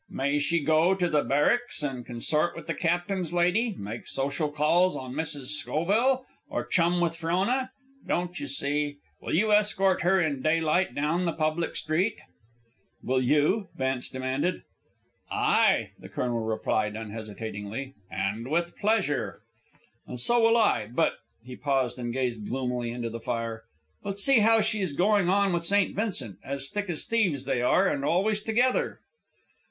May she go up to the Barracks and consort with the captain's lady, make social calls on Mrs. Schoville, or chum with Frona? Don't you see? Will you escort her, in daylight, down the public street?" "Will you?" Vance demanded. "Ay," the colonel replied, unhesitatingly, "and with pleasure." "And so will I; but " He paused and gazed gloomily into the fire. "But see how she is going on with St. Vincent. As thick as thieves they are, and always together."